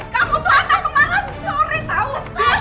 kamu itu anak kemarin sore tau